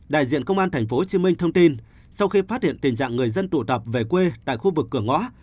đại diện công an tp hcm thông tin sau khi phát hiện tình trạng người dân tụ tập về quê tại khu vực cửa ngõ